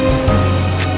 lu udah ngapain